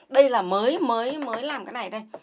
đây là mới mới mới làm cái này đây